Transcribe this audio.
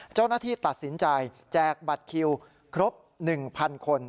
เจ้าหน้าที่ตัดสินใจแจกบัตรคิวครบ๑๐๐คน